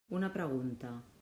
Una pregunta.